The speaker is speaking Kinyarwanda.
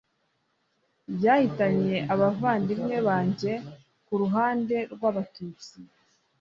ryahitanye abavandimwe banjye ku ruhande rw'Abatutsi